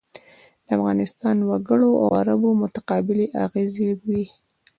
د افغانستان وګړو او عربو متقابلې اغېزې وې.